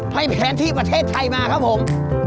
ให้แผนที่ประเทศไทยมาครับผม